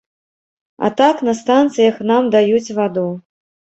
А так, на станцыях нам даюць ваду.